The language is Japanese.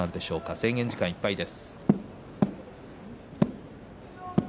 制限時間いっぱいです。